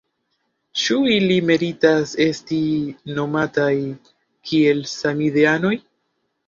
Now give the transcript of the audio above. Ĉu ili meritas esti nomataj kiel ‘samideanoj’?